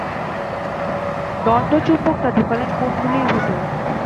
দণ্ড চুম্বকটা ঢোকালেন কুণ্ডলীর ভেতর।